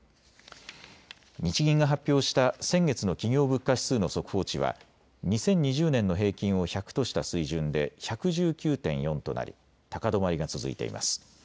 日銀が発表した先月の企業物価指数の速報値は２０２０年の平均を１００とした水準で１１９．４となり高止まりが続いています。